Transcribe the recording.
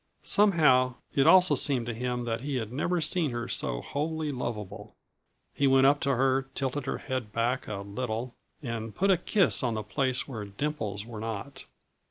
Somehow, it also seemed to him that he had never seen her so wholly lovable. He went up to her, tilted her head back a little, and put a kiss on the place where dimples were not.